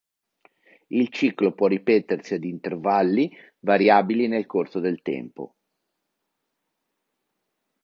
Il ciclo può ripetersi ad intervalli variabili nel corso del tempo.